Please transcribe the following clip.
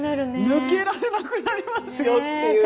抜けられなくなりますよっていうか。